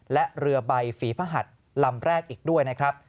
และเรือใบฝีพระหัสลำแรกอีกด้วยนะครับ